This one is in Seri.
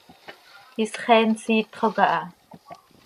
Isxeen siitxo caha.